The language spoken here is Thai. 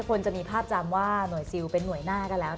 คนจะมีภาพจำว่าหน่วยซิลเป็นห่วยหน้าก็แล้ว